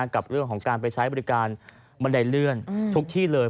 กับเรื่องของการไปใช้บริการบันไดเลื่อนทุกที่เลย